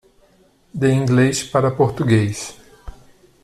De Inglês para Português.